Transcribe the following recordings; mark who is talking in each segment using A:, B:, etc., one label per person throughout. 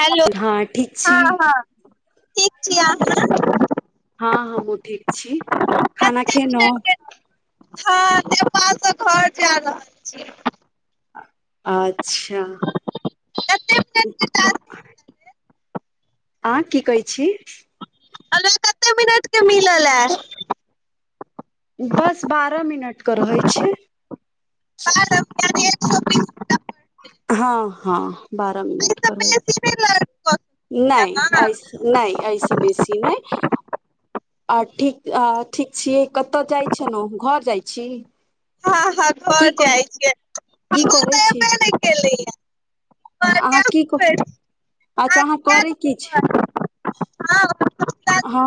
A: hello
B: हँ ठीक छी
A: हँ हँ ठीक छी अहाँ
B: हँ हमहु ठीक छी खाना
A: कते मिनट
B: खेेलौं
A: हँ नेपाला से घर जा रहल छी
B: अच्छा
A: कते [unintelligible]
B: आं की कहै छी
A: हमरा कते मिनट के मिलऽ लेऽ
B: दस बारह मिनट कऽ रहै छै
A: बारह मिनट एक सौ बीस मिनट एहि
B: हँ हँ बारह
A: से
B: मिनट कऽ रहै
A: बेसी
B: छै
A: नहि लर्न कऽ सकैत छी
B: नय
A: अहाँ
B: नय एहि से बेसी नय आ ठीक आ ठीक छीयै कतह जाइ छिलौं घर जाइ छी
A: हँ हँ घर
B: की कर
A: जाइ छियै
B: की
A: हमर तऽ एबे नय केलै या
B: आहां की कह अच्छा आहाँ करै की छी ह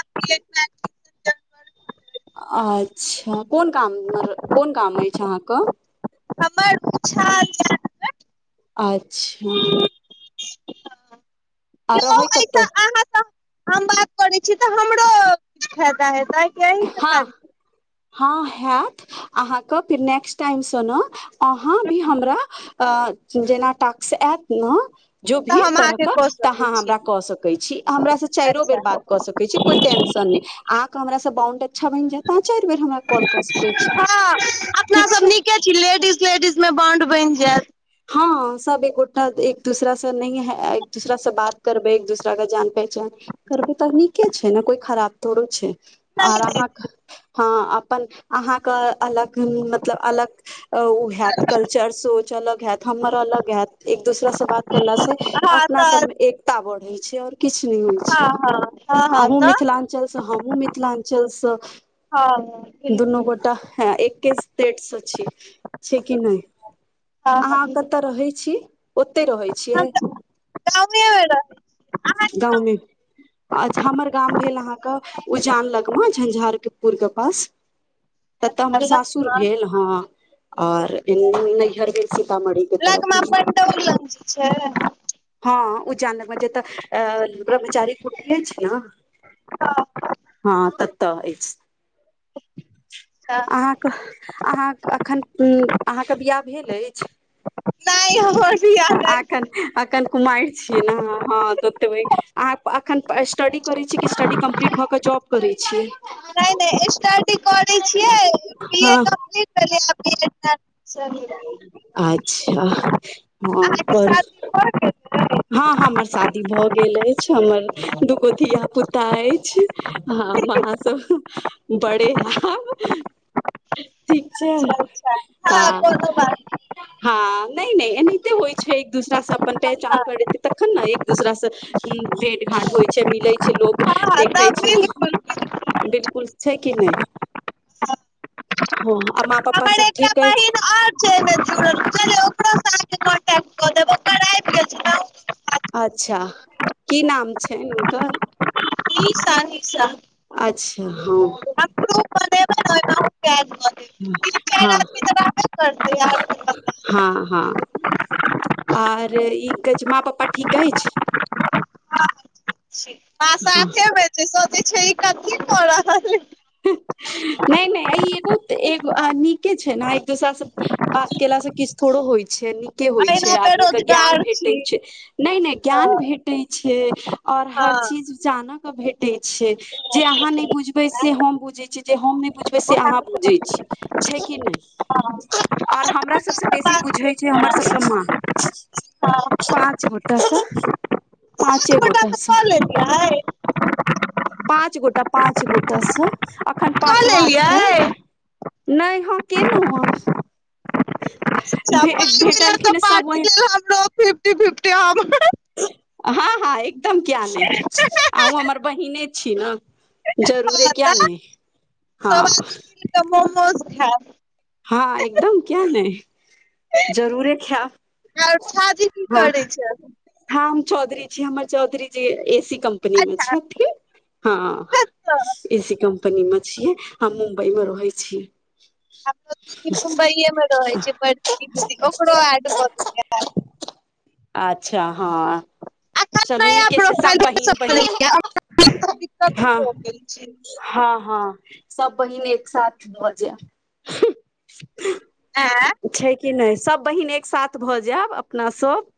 B: [inaudible] अच्छा कोन काम कोन काम अछि आहाँ क
A: अच्छा
B: अच्छा आ
A: यौ
B: रहय कतऽ
A: एहिसँ अहाँसँ हम बात करै तऽ हमरो खेता हेतै कि अहींके
B: हँ
A: खाली तऽ
B: हँ हेऽत अहाँके फिर नेक्स्ट टाइम सँ न अहाँ भी हमरा जेना टाक्स आत ने जो भी
A: हम
B: तरह
A: अहाँके
B: को
A: कऽ
B: तऽ आहाँ
A: सकैत छी
B: हमरा कऽ सकै छी हमरा स से चैरो
A: अच्छा
B: बेर बात कऽ सकै छी कोय टेंशन नय आहाँ के हमरा से बाउंड अच्छा बनि जेऽत तऽ आहाँ चरि बेर हमरा कॉल कऽ सकै छी
A: ह अपना
B: ठीक
A: सब
B: छै
A: नीके छी लेडीज लेडीज मे बोन्ड बनि जेऽत
B: हं सब एकगोटा एक दूसरा स नैह एक दोसरा स बात करबै एक दूसरा के जान पहचान करबै त नीके छै न कोय खराब थोड़ी छै आओर
A: नहि नहि
B: आहाँ के
A: नहि
B: ह अपन आहाँ के अलग मतलब अलग ओ हेऽत कल्चर सोच अलग हेऽत हमर अलग हेऽत एक दोसरा स बात करला स
A: हँ
B: अपना
A: तऽ
B: सब मे एकता बढ़ै छै आओर कि किछ नय होय
A: हँ हँ हँ
B: छैय
A: हँ
B: अहूँ
A: तऽ
B: मिथिलांचल स हमहुँ मिथिलांचल स
A: हँ
B: दुनू
A: बिलकुल
B: गोटा हें एक पेट से छी छैय की नय
A: हँ हँ
B: आहाँ
A: बिलकुल
B: कत रहै छी ओतैय रहै छियै
A: हम तऽ गाँवेमे रहै छी अहाँके
B: गाँव मे अच्छा हमर गाम भेल आहाँ के उजान लगमे झंझारपुर के पास [inaudible] तत तऽ
A: अच्छा
B: हमर सासुर
A: लगमा
B: भेल ह आओर नहिर भेल सीतामढ़ी के तरफ
A: लगमा पर डबल [unintelligible] छै
B: ह उजान लग मे जेतऽ आ ब्रह्मचारी कुटी अछि न
A: अच्छा
B: हं ततऽ ऐछ
A: सेह
B: कह आहाँ एखन आहाँ के बियाह भेल अछि
A: नै हमर बियाह नै भेल [unintelligible]
B: अखन कुमाएर छियै न हँ तोतबै आहाँ एखन स्टडी करैत छीयै कि स्टडी कम्प्लीट भऽ कऽ जॉब करैत छीयै
A: नै नै एस्टडी करै छियै बी ए
B: हँ
A: [unintelligible]
B: अच्छा हँ
A: अहाँके
B: करू
A: [unintelligible]
B: हँ हमर शादी भऽ गेल ऐछ हमर दूगो धिय -पुता ऐछ हम महासब बड़े आब ठीक छाय
A: अच्छा अच्छा हँ कोनो बात नहि
B: हँ नैय- नैय एनैते होइय छै एक दूसरा से अपन
A: हँ हँ
B: पहँचान करैत तखन न एक दूसरा से हूँ भेट घाट होय छैय मिलै छै लोक
A: हँ
B: देखै
A: तऽ
B: छै
A: बिल्कुल बिल्कुल
B: बिल्कुल छै कि नैय हँ आ माँ- पप्पा
A: हमर
B: सब
A: एकटा
B: ठीक अछै
A: बहिन आओर छै एहिमे जुड़ल चलू ओकरोसँ अहाँके कॉन्टैक्ट कऽ देब ओकर आबि गेल छै ने
B: अच्छा की नाम छैन हुनकर
A: की साही साह
B: अच्छा हँ
A: बनेबै ने ओहिमे अहूँके ऐड कऽ देब तीन
B: हँ
A: चारि आदमी तऽ रहबे करतै आओर
B: हँ हँ आओर इ कहै छै माँ पपा ठीक अैछ
A: छी पा
B: हँ
A: [unintelligible] छै रीखा की क रहल ऐय
B: हिं नै नै ई एगो एो नीके छै न एक दोसरा स बात केलासँ किछु थोड़ो होइ छै नीक के होइ छै
A: अहिना
B: आदमी के ज्ञान
A: बेरोजगार छी
B: भेटै छै नै नै ज्ञान
A: हँ
B: भेटै छै आओर हर
A: हँ
B: चीज जानयके भेटै छै जे अहाँ नै बुझबै से से
A: सात
B: हम बुझै छीयै जे हम नै बुझबै से
A: गोटा
B: अहाँ बुझै छीयै छै कि नै आओर हमरा सबसँ बेसी
A: से
B: बुझै छै हमरा सबके माँ पाँच गोटा स पाँचे गोटा स
A: कऽ लेलियै
B: पाँच गोटा पाँच गोटा सऽ अखन
A: कऽ
B: पाँचवा छैन
A: लेलियै
B: नै हो केलौं हँ
A: अच्छा
B: भे
A: पाइ मिलत तऽ
B: भेटलखिन सब
A: पार्टी
B: ओहे
A: लए हमरो फिफ्टी फिफ्टी हम
B: हँ हँ एकदम किया नै अहुँ हमर बहिने छी न जरूरे किया नै हँ
A: सब आदमी मिल तऽ मोमोज खाब
B: हँ एकदम किया नै जरूरे
A: आर
B: खायब
A: छाजी की करै छै
B: हँ हम चौधरी छी हमर Chaudhary ji A C company मे छेथिन हँ
A: अच्छा
B: ए सी कम्पनी मे छियै हम मुम्बई मे रहै छियै
A: मुम्बइए मे रहै छीयै बड़की दीदी ओकरो [unintelligible]
B: आ अच्छा हँ
A: एखन
B: चलू
A: नया
B: नीके छै सब
A: प्रोफाइल
B: बहिन
A: बनेलियै अभी
B: बहिन
A: कुछ दिक्कत
B: हँ
A: हो गेल छै
B: हँ हँ सब बहिन एक साथ भऽ जाय
A: आँ [unintelligible]
B: छै कि नय सभ बहिन एकसाथ भऽ जायब अपना सब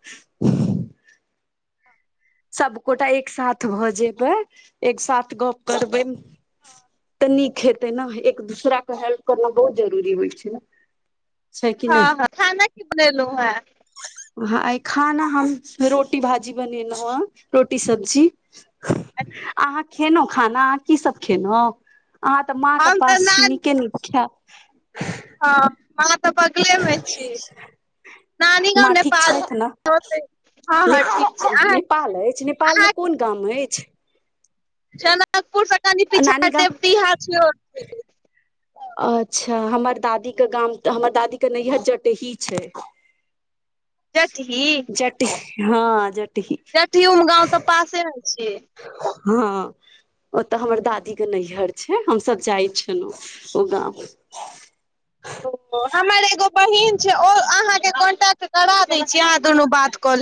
B: सब गोटा एक साथ भऽ जेबै एक साथ गप करबै तऽ नीक हेतै ने एक दोसराक हेल्प करना बहुत जरूरी होइ छै न
A: हँ हँ खाना की बनेलो हँं
B: ह खाना हम रोटी भाजी बनेलो हन रोटी सब्जी
A: अच्छा
B: अहाँ खेनो खाना अहाँ की सभ खेनो अहाँ तऽ माँ कऽ
A: हम तऽ
B: पास छी
A: नान
B: नीके नीक खायब
A: हँ माँ तऽ बगले मे छैय
B: माँ ठीक छैत नऽ
A: हँ हँ ठीक छै
B: नेपाल
A: अहाँ
B: नेपाल ऐछ नेपाल मे
A: अहाँ
B: कोन गाम ऐछ
A: जनकपुर स कनी पीछा
B: नानी गाम
A: देवटीहा छै ओतय
B: अच्छा हमर दादीेक गाम हमर दादी के नैहर जटेही छै
A: जटही
B: जटही हाँ जटही
A: जटही गाँव तऽ पासे म छियै
B: हाँ ओतऽ हमर दादी के नैहर छै हमसब जाइ छलो ओ गाम [inaudible]
A: हमर एगो बहिन छै ओ अहाँके कॉन्टट करा दै छी अहाँ दुनू बात कऽ ले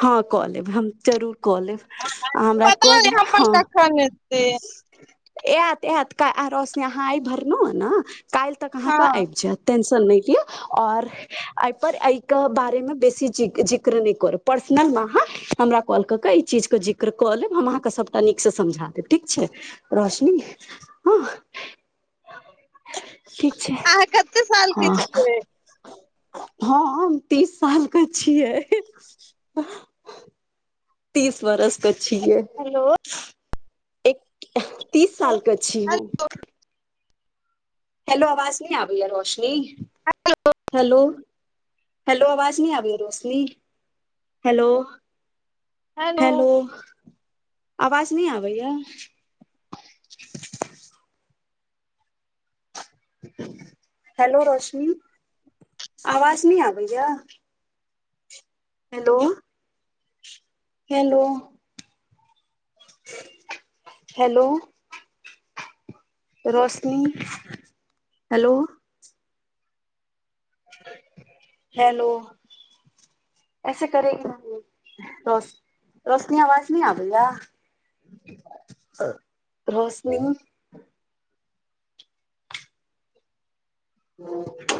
B: हँ कऽ लेब हम जरूर कऽ लेब अ हमरा कऽ देब हाँ
A: खानते [inaudible]
B: आत आत रोसनी अहाँ आइ भरनो अन काल्ह तक
A: हँ
B: अहाँके आइब जायत टेन्शन नय लिअ ओर ऐ पर ऐय के बारे मे बेसी जिक्र नय कर पर्सनल मे अहाँ हमरा कॉल कऽ कऽ ई चीज के जिक्र कऽ लेब हम अहाँके सभटा नीकसँ समझा दैब ठीक छै रोशनी हँ ठीक छै
A: अहाँ कते साल के
B: हाँ
A: छियै
B: हऽम तीस साल के छियै तीस बरस क छियै
A: हेलो
B: एक तीस साल क छी हम हैेलो अवाज नय आबेय रोशनी हेलो हेलो अवाज नय आबेय रोशनी हेलो हेलो आवाज नय आबैया हैेलो रोशनी आवाज नय आबैय hello hello hello Roshni hello hello ऐसे करेगी नही रोस रोसनी आवाज नय आबैया रोशनी [inaudible]